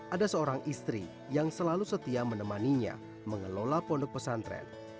ada seorang istri yang selalu setia menemaninya mengelola pondok pesantren